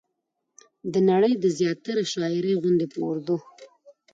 د نړۍ د زياتره شاعرۍ غوندې په اردو